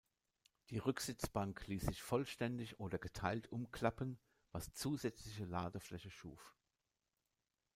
Die Rücksitzbank ließ sich vollständig oder geteilt umklappen, was zusätzliche Ladefläche schuf.